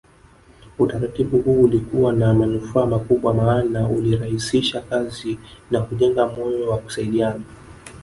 Utaratibu huu ulikuwa na manufaa makubwa maana ulirahisisha kazi na kujenga moyo wa kusaidiana